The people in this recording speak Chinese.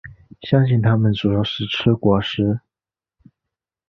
相信它们主要是吃果实。